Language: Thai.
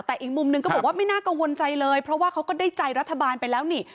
แต่อีกมุมหนึ่งก็บอกว่าไม่น่ากังวลใจเลยเพราะว่าเขาก็ได้ใจรัฐบาลไปแล้วนี่